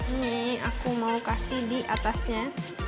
ini aku mau kasih di atasnya